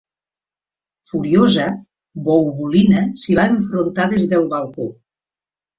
Furiosa, Bouboulina s'hi va enfrontar des del balcó.